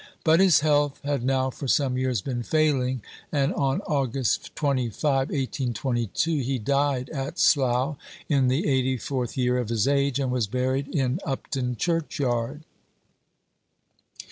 But his health had now for some years been failing, and on August 25, 1822, he died at Slough, in the eighty fourth year of his age, and was buried in Upton churchyard.